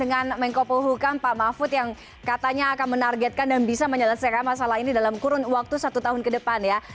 dan saya ingin mengucapkan terima kasih kepada pak mahfud yang katanya akan menargetkan dan bisa menyelesaikan masalah ini dalam kurun waktu satu tahun ke depan ya